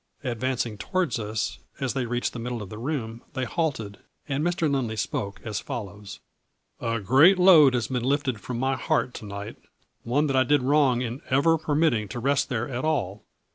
Advancing towards us, as they reached the middle of the room they halted, and Mr. Lindley spoke as follows :" A great load has been lifted from my heart to night, one that I did wrong in ever permit ting to rest there at all.